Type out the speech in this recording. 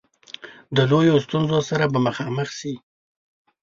د لویو ستونزو سره به مخامخ سي.